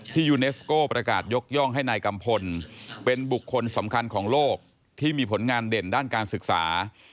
ยูเนสโก้ประกาศยกย่องให้นายกัมพลเป็นบุคคลสำคัญของโลกที่มีผลงานเด่นด้านการศึกษา